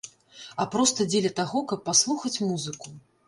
А проста дзеля таго, каб паслухаць музыку.